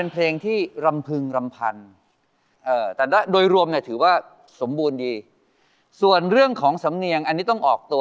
ตอนนี้มันแบบมันเหมือนมองจันอยู่อ่ะ